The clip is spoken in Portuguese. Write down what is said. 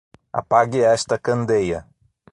Apague esta candeia